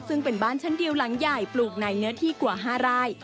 ซึ่งเป็นบ้านชั้นเดียวหลังใหญ่ปลูกในเนื้อที่กว่า๕ไร่